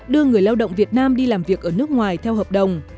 đưa người lao động việt nam đi làm việc ở nước ngoài theo hợp đồng